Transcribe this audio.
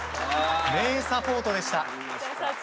名サポートでした。